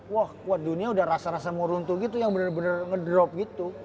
wah kuat dunia udah rasa rasa mau runtuh gitu yang bener bener ngedrop gitu